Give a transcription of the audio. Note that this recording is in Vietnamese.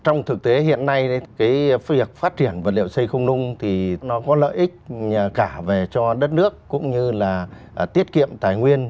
trong thực tế hiện nay việc phát triển vật liệu xây không nung thì nó có lợi ích cả về cho đất nước cũng như là tiết kiệm tài nguyên